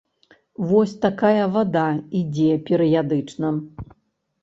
Вось такая вада ідзе перыядычна!